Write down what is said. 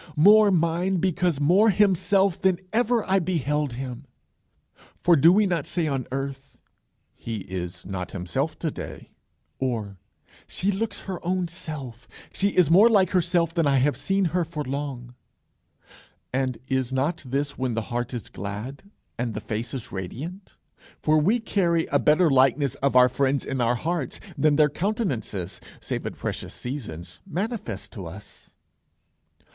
more mine because more himself than ever I beheld him!" For do we not say on earth, "He is not himself to day," or "She looks her own self;" "She is more like herself than I have seen her for long"? And is not this when the heart is glad and the face is radiant? For we carry a better likeness of our friends in our hearts than their countenances, save at precious seasons, manifest to us.